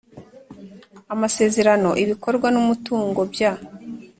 Amasezerano ibikorwa n umutungo bya